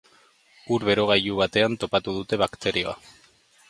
Ur-berogailu batean topatu dute bakterioa.